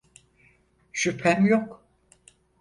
Şüphem yok.